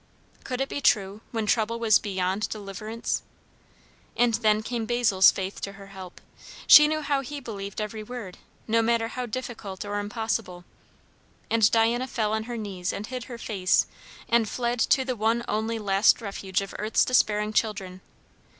Could it be true, when trouble was beyond deliverance? And then came Basil's faith to her help; she knew how he believed every word, no matter how difficult or impossible; and Diana fell on her knees and hid her face, and fled to the one only last refuge of earth's despairing children.